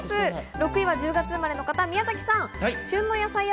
６位は１０月生まれの方、宮崎さん。